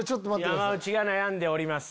山内が悩んでおります。